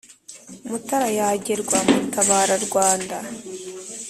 mutara yagerwa mutabara-rwanda